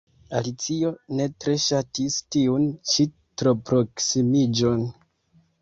Alicio ne tre ŝatis tiun ĉi troproksimiĝon.